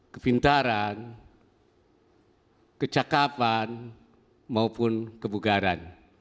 kepintaran kecakapan maupun kebugaran